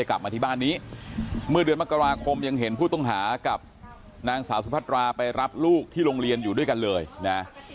เรายังเห็นผู้ต้องหากับหน้าสาวสุภัตราไปรับลูกที่โรงเรียนอยู่ด้วยกันเลยนะ